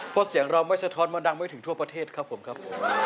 เพราะเสียงเราไม่สะท้อนมาดังไม่ถึงทั่วประเทศครับผมครับผม